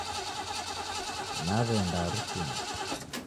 Naeweenda harusinyi